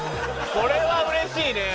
これは嬉しいね。